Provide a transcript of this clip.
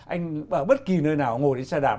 anh ở bất kỳ nơi nào ngồi đến xe đạp